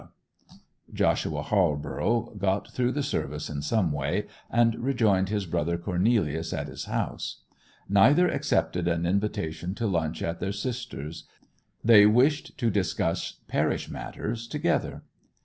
Joshua Halborough got through the service in some way, and rejoined his brother Cornelius at his house. Neither accepted an invitation to lunch at their sister's; they wished to discuss parish matters together.